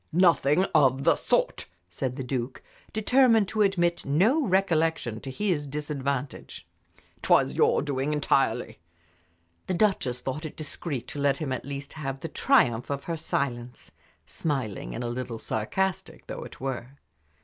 "Nothing of the sort," said the Duke, determined to admit no recollection to his disadvantage. "It was your doing entirely." The Duchess thought it discreet to let him at least have the triumph of her silence, smiling, and a little sarcastic though it were.